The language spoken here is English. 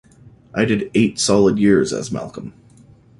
I did eight solid years as Malcolm.